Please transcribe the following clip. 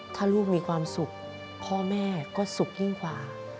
ถ้าลูกมีความสุขพ่อแม่ก็สุขยิ่งกว่า